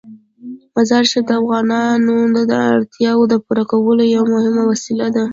مزارشریف د افغانانو د اړتیاوو د پوره کولو یوه مهمه وسیله ده.